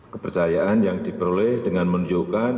kepercayaan yang diperoleh dengan menunjukkan